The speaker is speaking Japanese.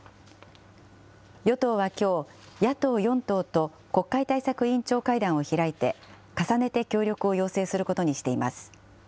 与党はきょう、野党４党と国会対策委員長会談を開いて、重ねて協力を要請することにしています。